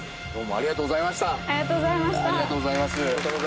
ありがとうございます。